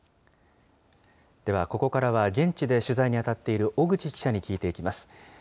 ではここからは、現地で取材に当たっている小口記者に聞いていきます。